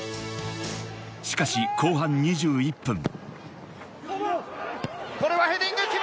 しかし後半２１分。